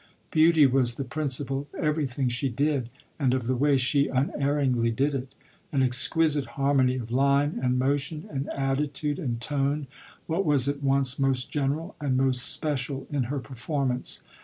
Beauty was the principle of everything she did and of the way she unerringly did it an exquisite harmony of line and motion and attitude and tone, what was at once most general and most special in her performance.